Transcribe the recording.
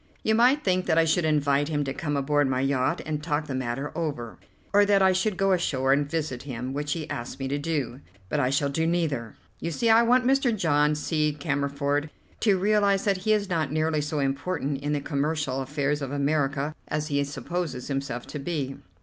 You might think that I should invite him to come aboard my yacht and talk the matter over, or that I should go ashore and visit him, which he asks me to do; but I shall do neither. You see I want Mr. John C. Cammerford to realize that he is not nearly so important in the commercial affairs of America as he supposes himself to be."